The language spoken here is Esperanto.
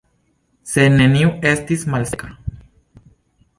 Sed neniu estis malseka.